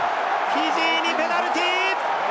フィジーにペナルティ！